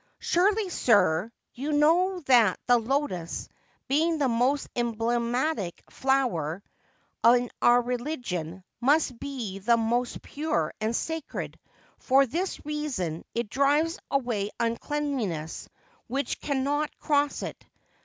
Surely, sir, you know that the lotus, being the most emblematic flower in our religion, must be the most pure and sacred ; for this reason it drives away uncleanness, which cannot cross it.